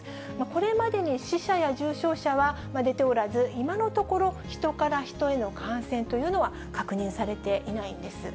これまでに死者や重症者は出ておらず、今のところ、人から人への感染というのは確認されていないんです。